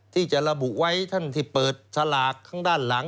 ที่จะระบุไว้ท่านที่เปิดฉลากข้างด้านหลัง